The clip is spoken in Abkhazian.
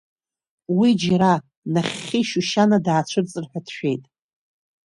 Уа џьара, нахьхьи, Шьушьана даацәырҵыр ҳәа дшәеит.